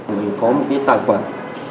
mình có một cái tài khoản